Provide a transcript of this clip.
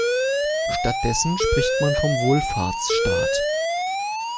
Stattdessen spricht man vom „Wohlfahrtsstaat“.